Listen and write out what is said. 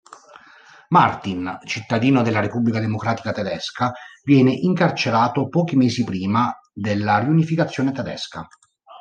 Martin, cittadino della Repubblica Democratica Tedesca, viene incarcerato pochi mesi prima della riunificazione tedesca.